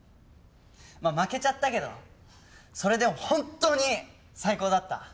まあ負けちゃったけどそれでも本当に最高だった。